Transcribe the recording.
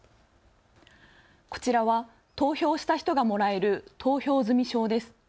こちらは投票した人がもらえる投票済証です。